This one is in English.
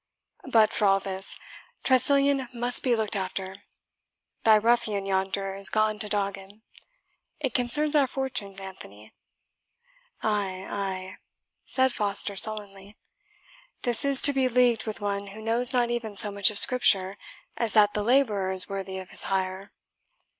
But for all this, Tressilian must be looked after. Thy ruffian yonder is gone to dog him. It concerns our fortunes, Anthony." "Ay, ay," said Foster sullenly, "this it is to be leagued with one who knows not even so much of Scripture, as that the labourer is worthy of his hire.